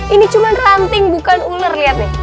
ini cuma ranting bukan ular liat nih